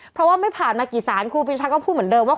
เพราะว่าไม่ผ่านมากี่สารครูปีชาก็พูดเหมือนเดิมว่า